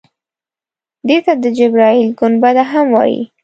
دې ته د جبرائیل ګنبده هم وایي.